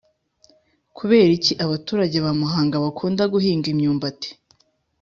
Kubera iki abaturage ba muhanga bakunda guhinga imyumbati